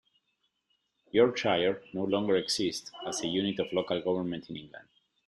Yorkshire no longer exists as a unit of local government in England.